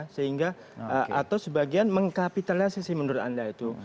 sehingga atau sebagian mengkapitalisasi menurut anda itu